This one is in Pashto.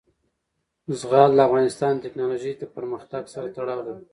زغال د افغانستان د تکنالوژۍ پرمختګ سره تړاو لري.